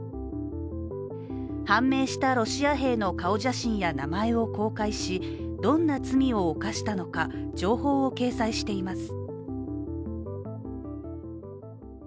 判明したロシア兵の顔写真や名前を公開し、どんな罪を犯したのか情報を掲載しています。